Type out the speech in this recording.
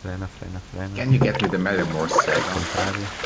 Can you get me the Maldeamores saga?